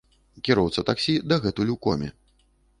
Кіроўца таксі дагэтуль у коме.